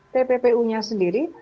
tppu nya sendiri